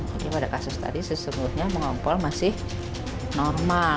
jadi pada kasus tadi sesungguhnya mengompol masih normal